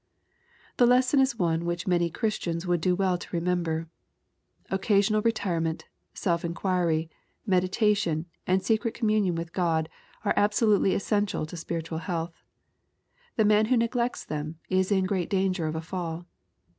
The lesson is one which many Christians would do well to remember. Occasional retirement, self inquiry, meditation, and secret communion with God, are abso lutely essential to spiritual health. The man who neg lects them is in great danger of a fall.